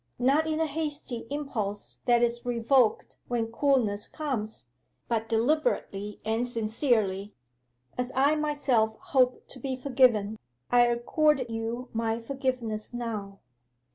Not in a hasty impulse that is revoked when coolness comes, but deliberately and sincerely: as I myself hope to be forgiven, I accord you my forgiveness now.